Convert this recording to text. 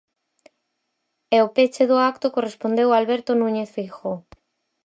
E o peche do acto correspondeu a Alberto Núñez Feijóo.